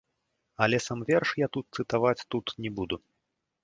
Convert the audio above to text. Але сам верш я тут цытаваць тут не буду.